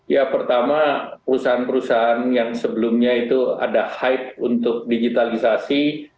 ya pertama perusahaan perusahaan yang sebelumnya itu ada hype untuk digitalisasi